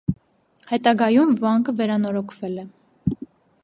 Հետագայում վանքը վերանորոգվել է։